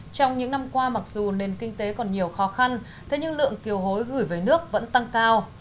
trong những năm qua mặc dù nền kinh tế còn nhiều khó khăn thế nhưng lượng kiều hối gửi về nước vẫn tăng cao